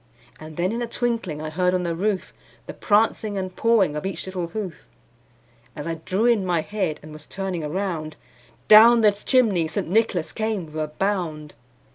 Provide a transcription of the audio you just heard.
And then in a twinkling I heard on the roof, The prancing and pawing of each little hoof. As I drew in my head, and was turning around, Down the chimney St. Nicholas came with a bound.